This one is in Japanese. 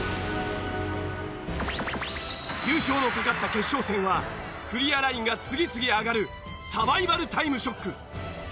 優勝のかかった決勝戦はクリアラインが次々上がるサバイバルタイムショック。